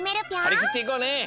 はりきっていこうね。